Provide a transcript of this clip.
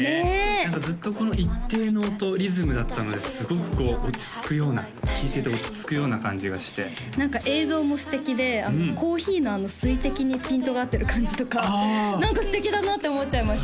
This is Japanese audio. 何かずっとこの一定の音リズムだったのですごくこう落ち着くような聴いてて落ち着くような感じがして何か映像も素敵でコーヒーの水滴にピントが合ってる感じとか何か素敵だなって思っちゃいました